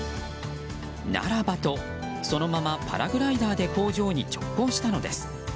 ならばと、そのままパラグライダーで工場に直行したのです。